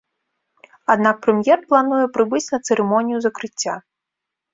Аднак прэм'ер плануе прыбыць на цырымонію закрыцця.